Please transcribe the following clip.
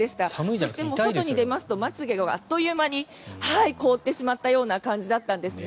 そして外に出ますとまつ毛があっという間に凍ってしまったような感じだったんですね。